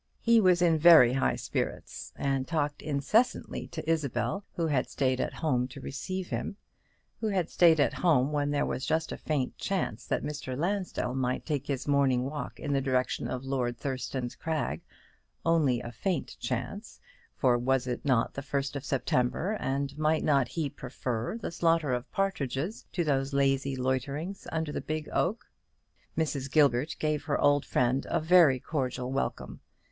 He was in very high spirits, and talked incessantly to Isabel, who had stayed at home to receive him; who had stayed at home when there was just a faint chance that Mr. Lansdell might take his morning walk in the direction of Lord Thurston's Crag, only a faint chance, for was it not the 1st of September; and might not he prefer the slaughter of partridges to those lazy loiterings under the big oak? Mrs. Gilbert gave her old friend a very cordial welcome.